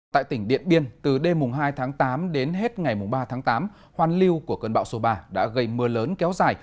tại tỉnh điện biên từ đêm hai tháng tám đến hết ngày ba tháng tám hoàn lưu của cơn bão số ba đã gây mưa lớn kéo dài